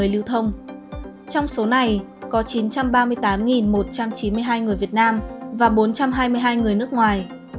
trong số này có chín trăm ba mươi tám một trăm chín mươi hai người việt nam và bốn trăm hai mươi hai người nước ngoài